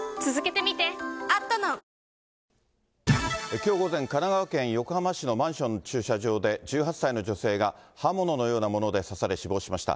きょう午前、神奈川県横浜市のマンションの駐車場で、１８歳の女性が刃物のようなもので刺され、死亡しました。